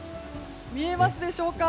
見えますでしょうか。